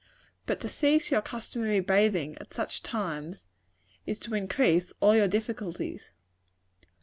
But to cease your customary bathing at such times, is to increase all your difficulties.